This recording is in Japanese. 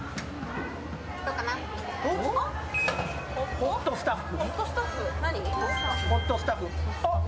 ホットスタッフ？